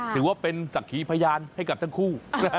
ถือว่าเป็นศักดิ์ขีพยานให้กับทั้งคู่